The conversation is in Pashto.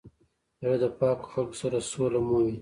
زړه د پاکو خلکو سره سوله مومي.